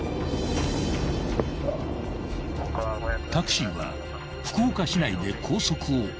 ［タクシーは福岡市内で高速を降りた］